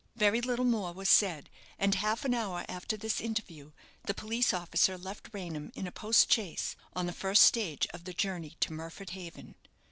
Very little more was said, and half an hour after this interview, the police officer left Raynham in a post chaise, on the first stage of the journey to Murford Haven.